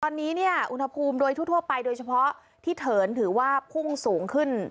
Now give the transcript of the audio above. ตอนนี้เนี่ยอุณหภูมิโดยทั่วไปโดยเฉพาะที่เถินถือว่าพุ่งสูงขึ้น